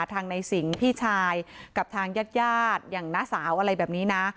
ทางในสิงห์พี่ชายกับทางญาติญาติอย่างน้าสาวอะไรแบบนี้นะ